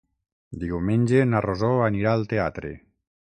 Diumenge na Rosó anirà al teatre.